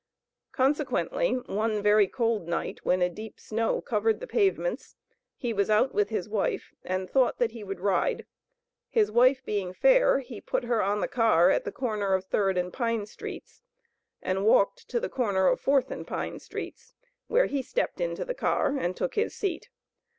Consequently one very cold night, when a deep snow covered the pavements, he was out with his wife, and thought that he would ride; his wife being fair, he put her on the car at the corner of Third and Pine streets, and walked to the corner of Fourth and Pine streets, where he stepped into the car and took his seat.